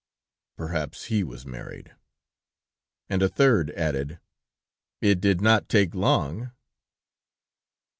'" "Perhaps he was married. And a third added: 'It did not take long!'"